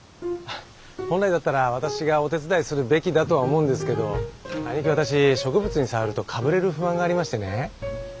本来だったら私がお手伝いするべきだとは思うんですけどあいにく私植物に触るとかぶれる不安がありましてね。